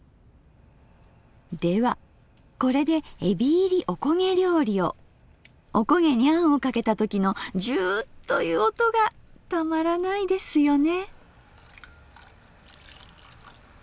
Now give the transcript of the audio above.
ではこれでおこげにあんをかけた時のジュウという音がたまらないですよね。